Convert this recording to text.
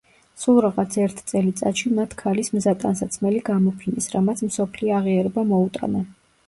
სულ რაღაც ერთ წელიწადში მათ ქალის მზა ტანსაცმელი გამოფინეს, რამაც მსოფლიო აღიარება მოუტანა.